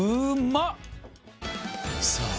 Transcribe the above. さあ